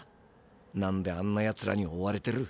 なんであんなやつらに追われてる？